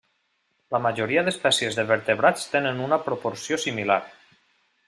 La majoria d'espècies de vertebrats tenen una proporció similar.